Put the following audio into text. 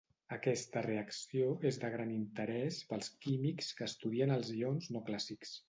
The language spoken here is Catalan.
Aquesta reacció és de gran interès pels químics que estudien els ions no clàssics.